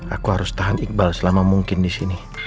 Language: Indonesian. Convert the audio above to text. aku harus tahan iqbal selama mungkin di sini